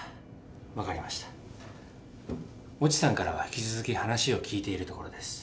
分かりました越智さんからは引き続き話を聞いているところです